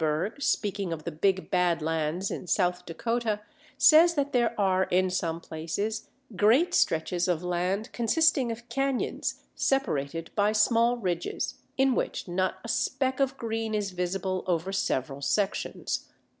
Rydberg, speaking of the Big Bad Lands in South Dakota, says that there are in some places great stretches of land consisting of cañons separated by small ridges, in which not a speck of green is visible over several sections.